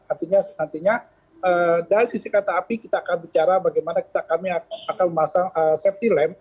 artinya nantinya dari sisi kereta api kita akan bicara bagaimana kami akan memasang safety lem